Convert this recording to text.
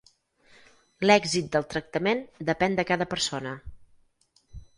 L'èxit del tractament depèn de cada persona.